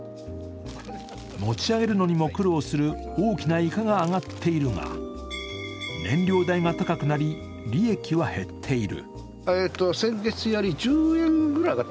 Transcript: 持ち上げるのにも苦労する大きなイカが上がっているが燃料代が高くなり、利益は減っている。